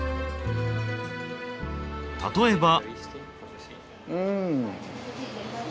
例えば。